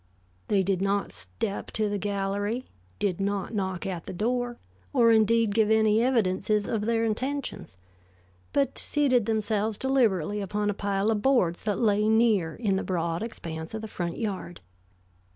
They did not step to the gallery, did not knock at the door, or, indeed, give any evidences of their intentions, but seated themselves deliberately upon a pile of boards that lay near in the broad expanse of the front yard.